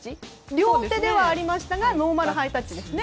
両手ではありましたがノーマルハイタッチですね。